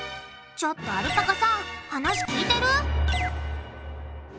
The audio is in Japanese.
ちょっとアルパカさん話聞いてる？